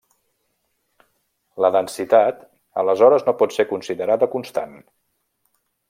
La densitat aleshores no pot ser considerada constant.